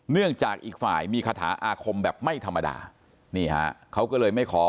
เนื่องจากอีกฝ่ายมีคาถาอาคมแบบไม่ธรรมดานี่ฮะเขาก็เลยไม่ขอ